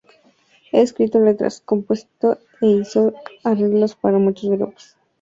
Ha escrito letras, compuso e hizo arreglos para muchos grupos.